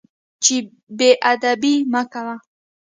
چې بې ادبي مه کوه.